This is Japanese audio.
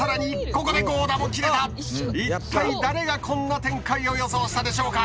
一体誰がこんな展開を予想したでしょうか。